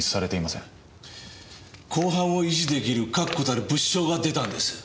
公判を維持出来る確固たる物証が出たんです。